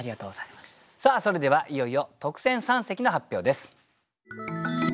さあそれではいよいよ特選三席の発表です。